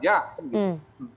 ya kan begitu